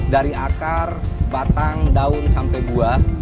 dari akar batang daun sampai buah